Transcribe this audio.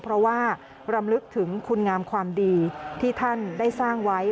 เพราะว่ารำลึกถึงคุณงามความดีที่ท่านได้สร้างไว้